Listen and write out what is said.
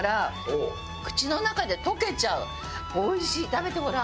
食べてごらん。